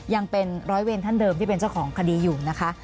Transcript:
ยังเป็นร้อยเวรท่านเดิมที่เป็นเจ้าของคดีอยู่นะคะ